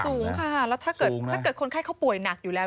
สูงค่ะแล้วถ้าเกิดคนไข้เขาป่วยหนักอยู่แล้ว